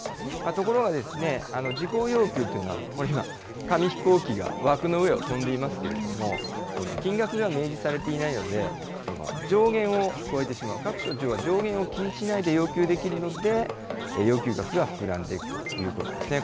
ところが、事項要求というのは、今、紙飛行機が枠の上を飛んでいますけれども、金額が明示されていないので、上限を超えてしまう、各省庁は上限を気にしないで要求できるので、要求額が膨らんでいくということなんですね。